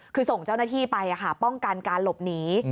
คือส่งเจ้าหน้าที่ไปป้องกันการหลบหนี